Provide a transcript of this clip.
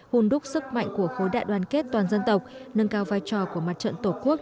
hùn đúc sức mạnh của khối đại đoàn kết toàn dân tộc nâng cao vai trò của mặt trận tổ quốc